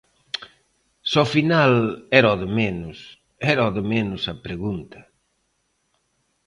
Se ao final era o de menos, era o de menos a pregunta.